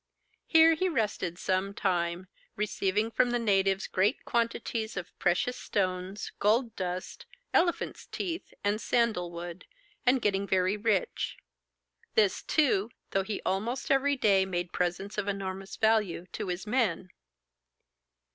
Here he rested some time, receiving from the natives great quantities of precious stones, gold dust, elephants' teeth, and sandal wood, and getting very rich. This, too, though he almost every day made presents of enormous value to his men.